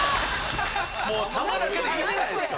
もう玉だけでいいじゃないですか。